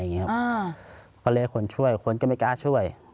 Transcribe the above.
ก็เลยให้คนช่วยคนก็ไม่กล้าช่วย